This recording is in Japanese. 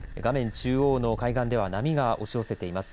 中央の海岸では波が押し寄せています。